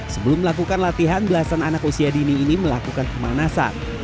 sebelum melakukan latihan belasan anak usia dini ini melakukan pemanasan